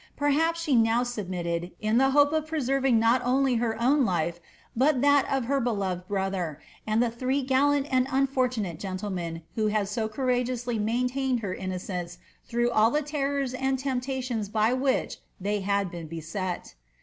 Pethiips eha n»w subiuiited, in tlie fond hope of preaeiviag uot only her own life, tjut (tuit uf her beloved brother, and the three gaUant sud uotariun&Le (euilcinen who had so courageously uaintaiued Iter innocence ihrougb all the terrors and Icmpluiions by whicii ibey had been beset.